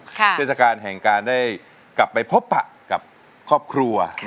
วันนี้เทศกาลแห่งการกลับประกันกับครอบครัว